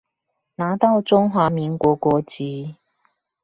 拿到中華民國國籍